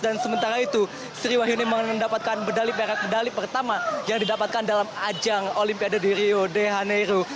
dan sementara itu sri wahyuni mendapatkan medali berat medali pertama yang didapatkan dalam ajang olimpiade di rio de janeiro